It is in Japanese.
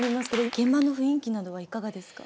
現場の雰囲気などはいかがですか？